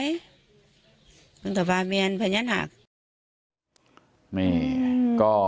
ใช่เป็นไหมก่อ